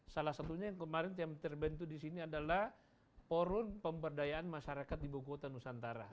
salah satunya yang kemarin yang terbantu di sini adalah porun pemberdayaan masyarakat ibu kota nusantara